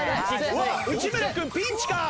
うわっ内村君ピンチか？